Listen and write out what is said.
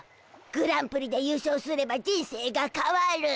グランプリで優勝すれば人生がかわる。